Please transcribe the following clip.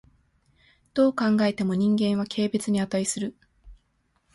どう考えても人間は軽蔑に価する。